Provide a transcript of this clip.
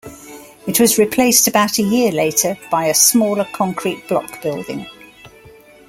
It was replaced about a year later by a smaller concrete block building.